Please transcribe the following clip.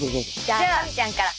じゃあかみちゃんから。